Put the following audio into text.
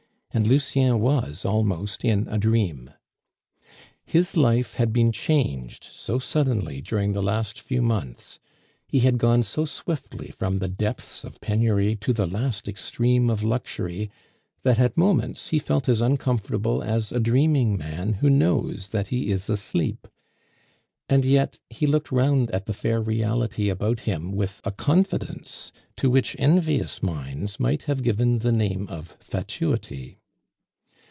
And Lucien was almost in a dream. His life had been changed so suddenly during the last few months; he had gone so swiftly from the depths of penury to the last extreme of luxury, that at moments he felt as uncomfortable as a dreaming man who knows that he is asleep. And yet, he looked round at the fair reality about him with a confidence to which envious minds might have given the name of fatuity.